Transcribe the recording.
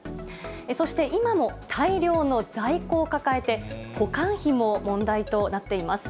そして今も大量の在庫を抱えて、保管費も問題となっています。